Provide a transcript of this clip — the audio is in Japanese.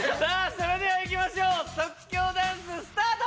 それではいきましょう即興ダンススタート！